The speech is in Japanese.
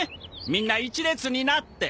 みんな１列になって。